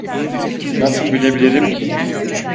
Nasıl bilebilirim ki?